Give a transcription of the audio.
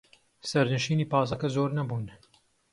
سەرنشینی پاسەکە زۆر نەبوون.